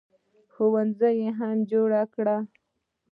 ښوونځي یې هم جوړ کړل.